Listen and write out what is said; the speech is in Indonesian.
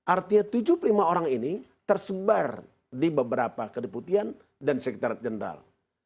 artinya tujuh puluh lima orang ini tersebar di beberapa kedeputian dan sekretariat jenderal